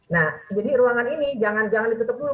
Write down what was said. nah jadi ruangan ini jangan ditutup dulu